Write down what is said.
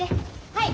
はい！